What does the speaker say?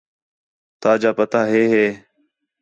تا جا پتا ہے ہے؟